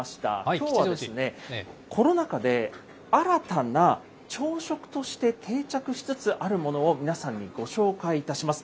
きょうはコロナ禍で新たな朝食として定着しつつあるものを皆さんにご紹介いたします。